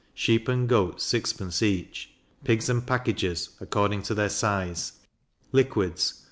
sheep and goats 6d. each; pigs and packages, according to their size; liquids 1d.